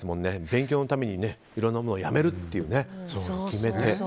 勉強のためにいろんなものをやめると決めて。